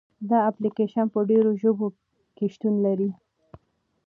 دا اپلیکیشن په ډېرو ژبو کې شتون لري.